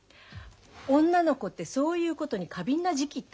女の子ってそういうことに過敏な時期ってあるの。